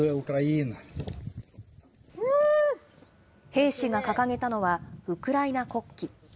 兵士が掲げたのは、ウクライナ国旗。